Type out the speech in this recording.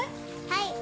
はい。